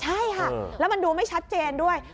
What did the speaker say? ใช่ค่ะแล้วมันดูไม่ชัดเจนด้วย